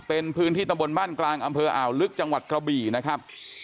เป็นพื้นที่ตำบลบ้านกลางอำเภออ่าวลึกจังหวัดกระบี่นะครับ